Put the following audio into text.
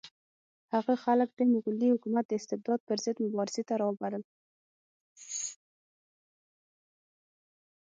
هغه خلک د مغلي حکومت د استبداد پر ضد مبارزې ته راوبلل.